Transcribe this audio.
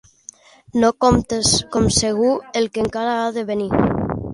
No comptes com segur el que encara ha de venir.